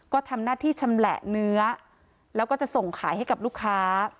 ก็ทำหน้าที่ชำแหละเนื้อแล้วก็จะส่งขายให้กับลูกค้า